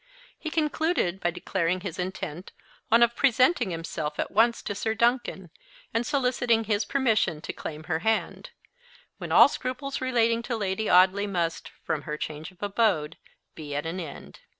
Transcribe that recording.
He concluded by declaring his intent on of presenting himself at once to Sir Duncan, and soliciting his permission to claim her hand: when all scruples relating to Lady Audley must, from her change of abode, be at an end.